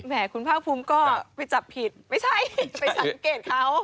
คุณภาคภูมิก็ไปจับผิดไม่ใช่ไปสังเกตเขา